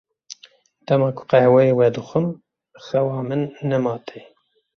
Dema ku qehweyê vedixwim xewa min nema tê.